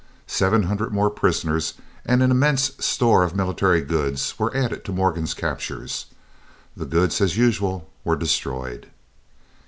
Seven hundred more prisoners and an immense store of military goods were added to Morgan's captures. The goods, as usual, were destroyed.